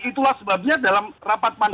itulah sebabnya dalam rapat